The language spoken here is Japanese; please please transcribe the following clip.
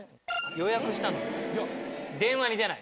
「予約したいのに電話にでない」。